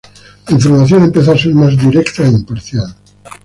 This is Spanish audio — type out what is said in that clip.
La información empezó a ser más directa e imparcial.